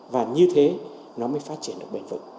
và như thế nó mới phát triển được bền vững